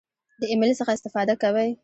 د ایمیل څخه استفاده کوئ؟